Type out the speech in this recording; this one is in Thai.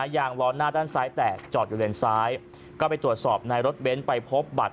ยางล้อหน้าด้านซ้ายแตกจอดอยู่เลนซ้ายก็ไปตรวจสอบในรถเบ้นไปพบบัตร